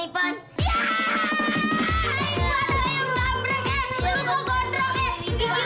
bawa buka buka